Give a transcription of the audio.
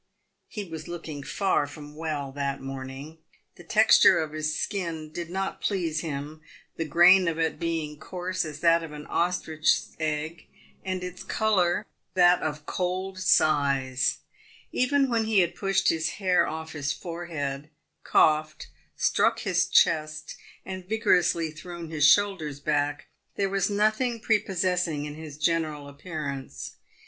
He was looking far from well that morning. The texture of his skin did not please him, the grain of it being coarse as that of an ostrich's egg, and its colour that of cold size. Even when he had pushed his hair off his forehead, coughed, struck his chest, and vigorously thrown his shoulders back, there was no thing prepossessing in his general appearance.